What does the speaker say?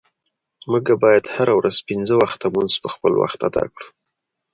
مونږه باید هره ورځ پنځه وخته مونز په خپل وخت اداء کړو.